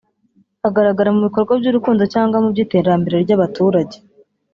agaragara mu bikorwa by’urukundo cyangwa mu by’iterambere ry’abaturage